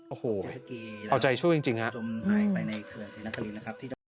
โอ้โหเอาใจช่วยจริงครับ